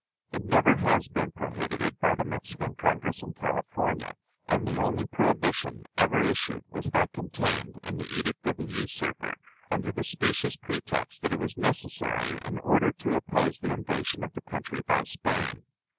It never has been prohibited by the Mexican Congress in California; and the only prohibition ever issued was that contained in the edict of a usurper, under the specious pretext that it was necessary, in order to oppose the invasion of the country by Spain.